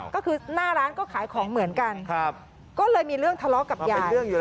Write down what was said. ก็คือหน้าร้านก็ขายของเหมือนกันก็เลยมีเรื่องทะเลาะกับยาย